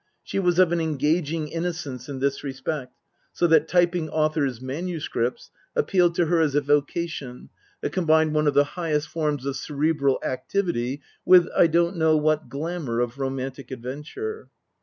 She was of an engaging inno cence in this respect ; so that typing authors' manuscripts appealed to her as a vocation that combined one of the highest forms of cerebral activity with I don't know what glamour of romantic adventure.